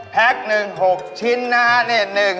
แพ็กหนึ่ง๖ชิ้นนะนี่๑๒๓๔๕๖